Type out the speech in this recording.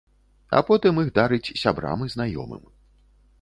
А потым іх дарыць сябрам і знаёмым.